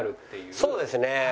そうですね。